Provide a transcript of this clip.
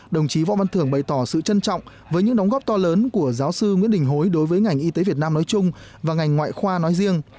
đồng chí võ văn thưởng bày tỏ sự trân trọng với những đóng góp to lớn của giáo sư nguyễn đình hối đối với ngành y tế việt nam nói chung và ngành ngoại khoa nói riêng